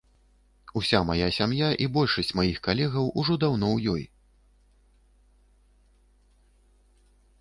Уся мая сям'я і большасць маіх калегаў ўжо даўно ў ёй.